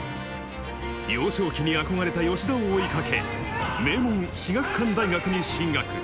幼少期に憧れた吉田を追いかけ、名門、至学館大学に進学。